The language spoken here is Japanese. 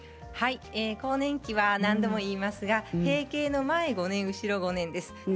更年期は何度も言いますが閉経の前５年、後ろ５年です。